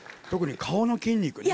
特に顔の筋肉。